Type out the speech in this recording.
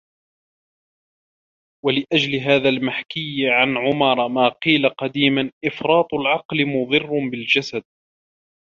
وَلِأَجْلِ هَذَا الْمَحْكِيِّ عَنْ عُمَرَ مَا قِيلَ قَدِيمًا إفْرَاطُ الْعَقْلِ مُضِرٌّ بِالْجَسَدِ